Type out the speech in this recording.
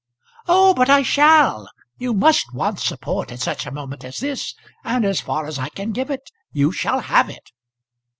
"Oh, but I shall. You must want support at such a moment as this, and as far as I can give it you shall have it."